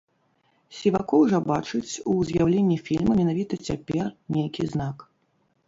Сівакоў жа бачыць у з'яўленні фільма менавіта цяпер нейкі знак.